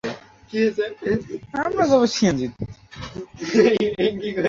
এই ভাষাটি মহাত্মা গান্ধীর এবং মুহাম্মদ আলী জিন্নাহর মাতৃভাষা।